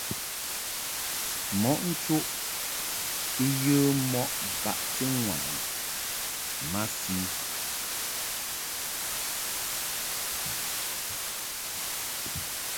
Mɔʼ nchuʼ I yə mɔʼ baʼti ŋwaʼni masi.